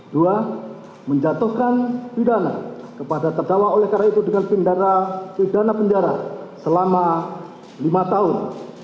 dua menjatuhkan pidana kepada terjawab oleh kera itu dengan pidana pindana selama lima tahun